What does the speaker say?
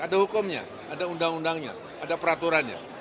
ada hukumnya ada undang undangnya ada peraturannya